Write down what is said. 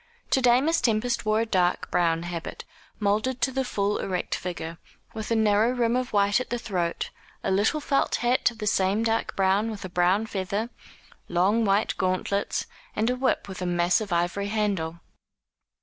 To day Miss Tempest wore a dark brown habit, moulded to the full erect figure, with a narrow rim of white at the throat, a little felt hat of the same dark brown with a brown feather, long white gauntlets, and a whip with a massive ivory handle.